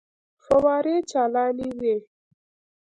فوارې چالانې وې.